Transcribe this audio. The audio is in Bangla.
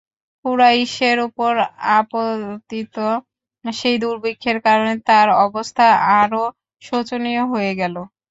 কুরাইশের উপর আপতিত সেই দুর্ভিক্ষের কারণে তাঁর অবস্থা আরো শোচনীয় হয়ে গেল।